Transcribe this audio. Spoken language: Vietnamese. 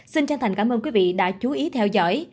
xin chân thành cảm ơn quý vị đã chú ý theo dõi